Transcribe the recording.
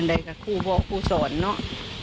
อันใดก็คู่บอกคู่ส่วนเนอะ